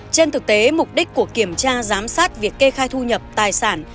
trên thực tế mục đích của kiểm tra giám sát việc kê khai thu nhập tài sản